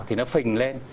thì nó phình lên